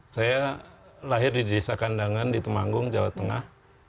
saya lahir di desa kandangan di temanggung jawa tengah